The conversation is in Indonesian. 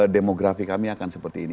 demografi kami akan seperti ini